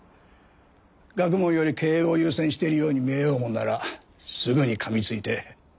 学問より経営を優先しているように見えようものならすぐに噛みついて。